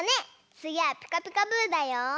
つぎは「ピカピカブ！」だよ。